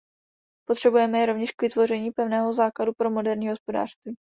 Potřebujeme je rovněž k vytvoření pevného základu pro moderní hospodářství.